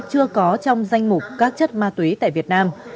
chưa có trong danh mục các chất ma túy tại việt nam